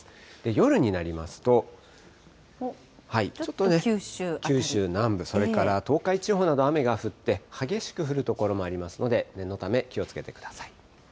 夜になりますと、ちょっと九州南部、それから東海地方など雨が降って、激しく降る所もありますので、念のため気をつけてください。